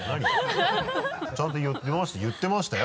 ちゃんと言ってましたよ